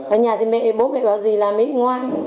ở nhà thì mẹ bố mẹ bảo gì làm ấy ngoan